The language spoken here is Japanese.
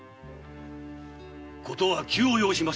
事は急を要します。